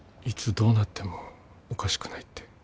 いつどうなってもおかしくないって。